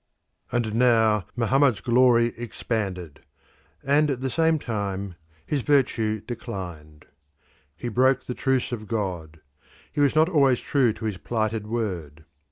And now Mohammed's glory expanded, and at the same time his virtue declined. He broke the Truce of God: he was not always true to his plighted word.